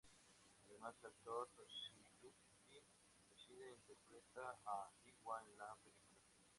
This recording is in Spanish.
Además, el actor Toshiyuki Nishida interpreta a Iwa en la película.